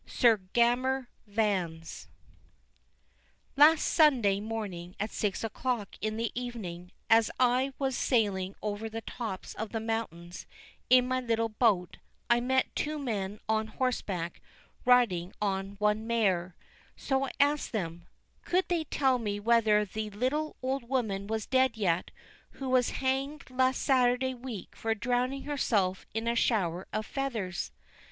Sir Gammer Vans Last Sunday morning at six o'clock in the evening as I was sailing over the tops of the mountains in my little boat, I met two men on horseback riding on one mare: So I asked them: "Could they tell me whether the little old woman was dead yet who was hanged last Saturday week for drowning herself in a shower of feathers?"